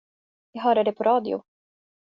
Jag hörde det på radio.